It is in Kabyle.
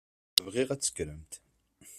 Bɣiɣ ad tekkremt.